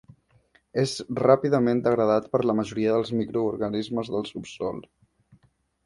És ràpidament degradat per la majoria dels microorganismes del subsòl.